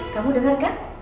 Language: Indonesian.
kamu dengar kan